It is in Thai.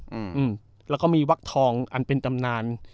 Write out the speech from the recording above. อืมแล้วก็มีวักทองอันเป็นตำนาน